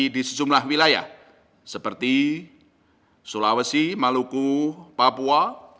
di sejumlah wilayah seperti sulawesi maluku papua